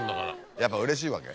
やっぱうれしいわけ？